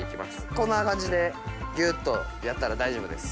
こんな感じでギュっとやったら大丈夫です。